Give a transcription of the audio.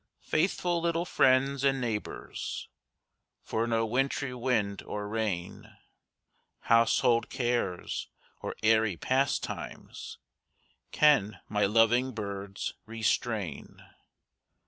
Faithful little friends and neighbors, For no wintry wind or rain, Household cares or airy pastimes, Can my loving birds restrain.